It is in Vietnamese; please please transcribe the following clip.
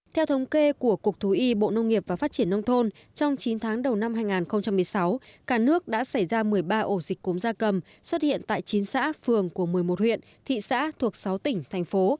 theo thống kê của cục thú y bộ nông nghiệp và phát triển nông thôn trong chín tháng đầu năm hai nghìn một mươi sáu cả nước đã xảy ra một mươi ba ổ dịch cúm da cầm xuất hiện tại chín xã phường của một mươi một huyện thị xã thuộc sáu tỉnh thành phố